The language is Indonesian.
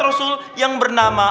rasul yang bernama